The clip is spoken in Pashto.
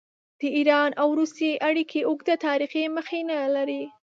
د ایران او روسیې اړیکې اوږده تاریخي مخینه لري.